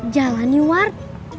jalan nih ward